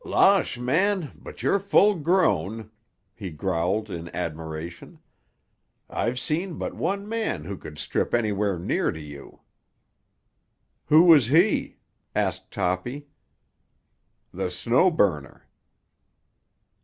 "Losh, man! But you're full grown!" he growled in admiration. "I've seen but one man who could strip anywhere near to you." "Who was he?" asked Toppy. "The Snow Burner."